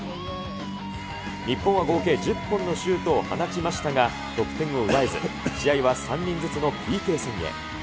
日本は合計１０本のシュートを放ちましたが、得点を奪えず、試合は３人ずつのＰＫ戦へ。